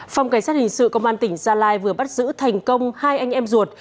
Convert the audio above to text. phòng cảnh sát hình sự công an tỉnh gia lai vừa bắt giữ thành công hai anh em ruột